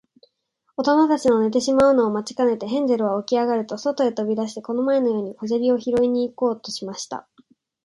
おとなたちの寝てしまうのを待ちかねて、ヘンゼルはおきあがると、そとへとび出して、この前のように小砂利をひろいに行こうとしました。